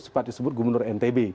sepat disebut gubernur ntb